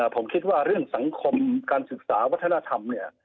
ผมคิดว่าเรื่องสังคมการศึกษาวัฒนธรรมเนี่ย